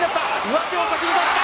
上手を先に取った。